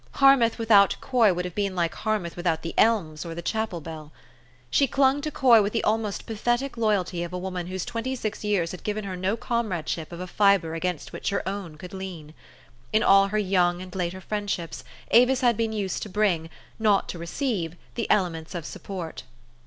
Harmouth without Coy would have been like Harmouth without the elms or the chapel bell. She clung to Coy with the almost pathetic loyalty of a woman whose twenty six years had given her no comradeship of a fibre against which her own could lean. In all her young and later friendships Avis had been used to bring, not to receive, the elements of support.